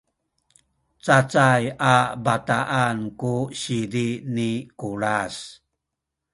cacay a bataan ku sizi ni Kulas